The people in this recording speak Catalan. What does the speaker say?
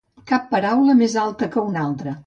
Cap paraula més alta que una altra.